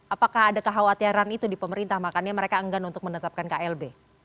apakah ada kekhawatiran itu di pemerintah makanya mereka enggan untuk menetapkan klb